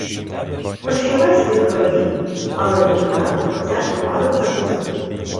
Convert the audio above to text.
Прощавай своїх ворогів, але імена про всяк випадок записуй.